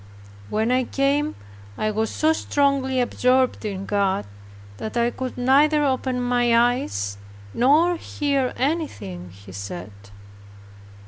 When I came, I was so strongly absorbed in God, that I could neither open my eyes, nor hear anything he said.